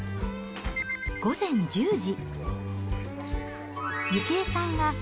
午前１０時。